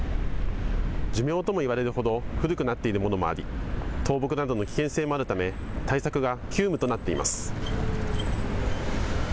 寿命とも言われるほど古くなっているものもあり、倒木などの危険性もあるため対策が急務となっています。